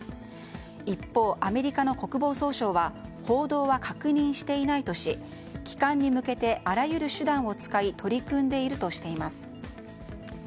一方、アメリカの国防総省は報道は確認していないとし帰還に向けてあらゆる手段を使い取り組んでいるとしています。